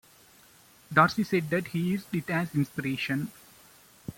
Dorsey said that he used it as inspiration.